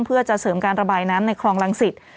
เพื่อจะเสริมการระบายน้ำในคลองรังสิต